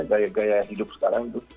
gaya gaya hidup sekarang itu